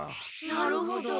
なるほど。